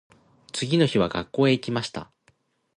次の日は学校へ行きました。